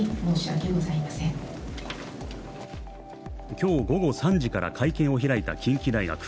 今日午後３時から会見を開いた近畿大学。